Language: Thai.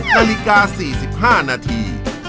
นาฬิกา๔๕นาที